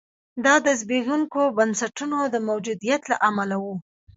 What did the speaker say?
دا د زبېښونکو بنسټونو د موجودیت له امله و.